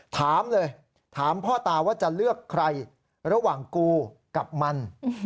ถามเลยถามพ่อตาว่าจะเลือกใครระหว่างกูกับมัน